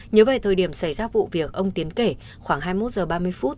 nhớ về thời điểm xảy ra vụ việc ông tiến kể khoảng hai mươi một h ba mươi phút